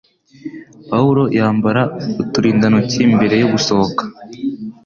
Pawulo yambara uturindantoki mbere yo gusohoka.